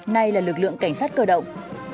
nay là lực lượng cảnh sát cơ động